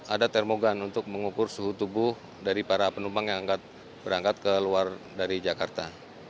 ada termogan untuk mengukur suhu tubuh dari para penumpang yang berangkat keluar dari jakarta